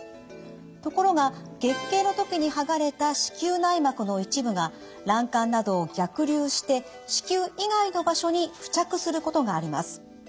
ところが月経の時に剥がれた子宮内膜の一部が卵管などを逆流して子宮以外の場所に付着することがあります。